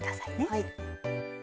はい。